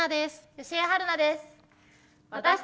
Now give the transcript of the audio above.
吉江晴菜です。